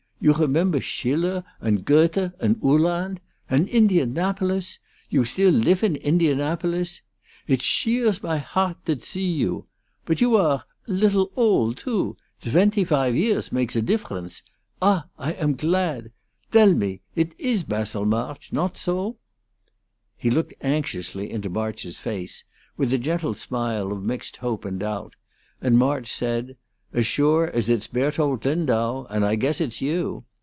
You remember Schiller, and Goethe, and Uhland? And Indianapolis? You still lif in Indianapolis? It sheers my hardt to zee you. But you are lidtle oldt, too? Tventy five years makes a difference. Ah, I am gladt! Dell me, idt is Passil Marge, not zo?" He looked anxiously into March's face, with a gentle smile of mixed hope and doubt, and March said: "As sure as it's Berthold Lindau, and I guess it's you.